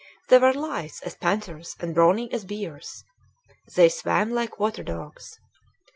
They were lithe as panthers and brawny as bears. They swam like waterdogs.